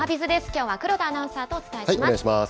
きょうは黒田アナウンサーとお伝お願いします。